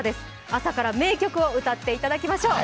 朝から名曲を歌っていただきましょう。